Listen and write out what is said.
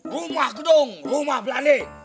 rumah gedung rumah belane